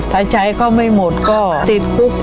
ใช้ใช้เขาไม่หมดก็ติดคุก